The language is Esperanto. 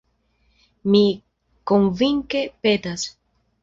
Mi konvinke petas.